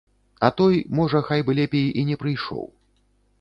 А той, можа, хай бы лепей і не прыйшоў.